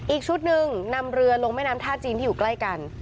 อีกชุดหนึ่งนำเรือลงแม่น้ำท่าจีนที่อยู่ใกล้กัน